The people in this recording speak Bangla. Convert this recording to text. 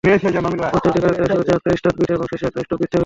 প্রতিটি ক্যারেক্টারের শুরুতে একটা স্টার্ট বিট এবং শেষে একটা স্টপ বিট থাকে।